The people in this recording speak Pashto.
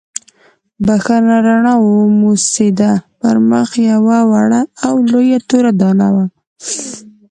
بښنه رڼا وموسېده، پر مخ یې یوه وړه او لویه توره دانه وه.